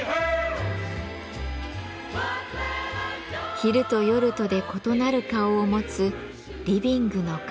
昼と夜とで異なる顔を持つリビングの壁。